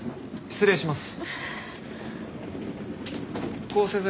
失礼します。